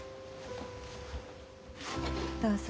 どうぞ。